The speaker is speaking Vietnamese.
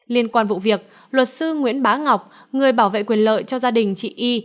liên quan vụ việc luật sư nguyễn bá ngọc người bảo vệ quyền lợi cho gia đình chị y